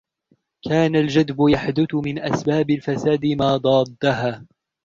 كَانَ الْجَدْبُ يَحْدُثُ مِنْ أَسْبَابِ الْفَسَادِ مَا ضَادَّهَا